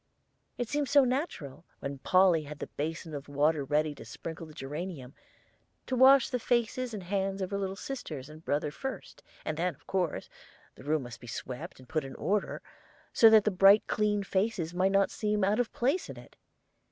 It seemed so natural, when Polly had the basin of water ready to sprinkle the geranium, to wash the faces and hands of her little sisters and brother first; and then, of course, the room must be swept and put in order, so that the bright clean faces might not seem out of place in it.